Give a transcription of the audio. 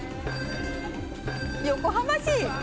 横浜市。